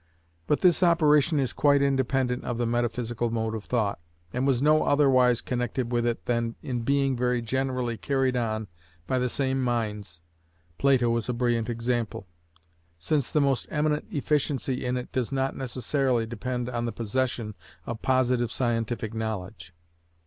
But this operation is quite independent of the Metaphysical mode of thought, and was no otherwise connected with it than in being very generally carried on by the same minds (Plato is a brilliant example), since the most eminent efficiency in it does not necessarily depend on the possession of positive scientific knowledge.